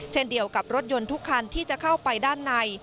เช่นเดียวกับรถยนต์ทุกคันที่จะเข้าไปด้านใน